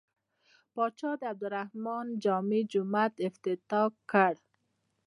پاچا د عبدالرحمن جامع جومات افتتاح کړ.